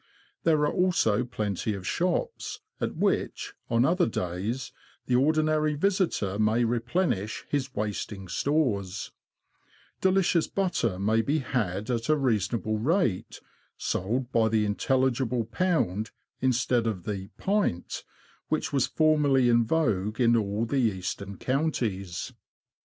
There are also plenty of shops, at which, on other days, the ordinary visitor may replenish his wasting stores. Delicious butter Entrance Porch of Beccles Church. YARMOUTH TO LOWESTOFT. 41 may be had at a reasonable rate, sold by the intel ligible pound instead of the " pint " which was formerly in vogue in all the Eastern Counties.